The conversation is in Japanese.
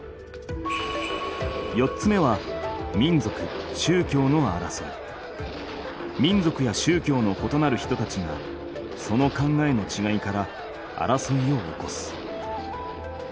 ４つ目は民族や宗教のことなる人たちがその考えのちがいから争いを起こす。